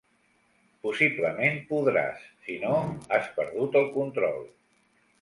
Possiblement podràs, si no has perdut el control.